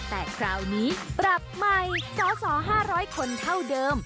แต่คราวนี้ปรับใหม่สอสอ๕๐๐คนเท่าเดิม